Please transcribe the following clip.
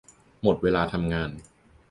หมดเวลาทำงาน